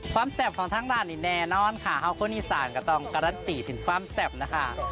แสบของทางร้านนี่แน่นอนค่ะเฮาวโคนอีสานก็ต้องการันตีถึงความแซ่บนะคะ